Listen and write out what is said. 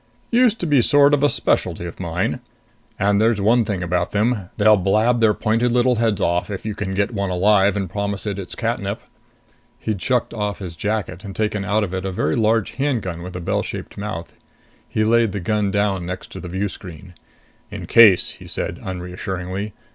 Used to be a sort of specialty of mine. And there's one thing about them they'll blab their pointed little heads off if you can get one alive and promise it its catnip...." He'd shucked off his jacket and taken out of it a very large handgun with a bell shaped mouth. He laid the gun down next to the view screen. "In case," he said, unreassuringly.